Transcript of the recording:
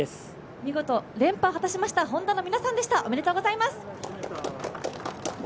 見事、連覇を果たしましたＨｏｎｄａの皆さんです、おめでとうございます。